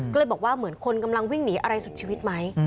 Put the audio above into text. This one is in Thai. ก็เลยบอกว่าเหมือนคนกำลังวิ่งหนีอะไรสุดชีวิตไหม